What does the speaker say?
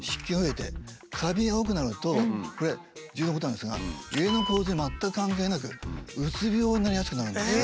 これ重要なことなんですが家の構造に全く関係なくうつ病になりやすくなるんですよ。